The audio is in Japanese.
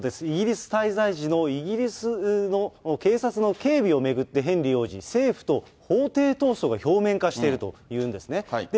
イギリス滞在時のイギリスの警察の警備を巡ってヘンリー王子、政府と法廷闘争が表面化しているというんですね。